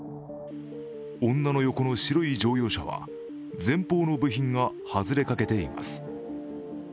女の横の白い乗用車は前方の部品が外れかけています。